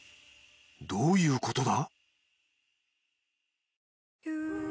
どういうことだ？